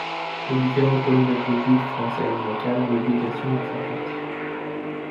Les différentes communautés juives françaises locales ont l'obligation d'en faire partie.